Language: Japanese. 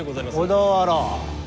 小田原？